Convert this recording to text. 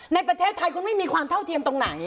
ในประเทศไทยคุณไม่มีความเท่าเทียมตรงไหน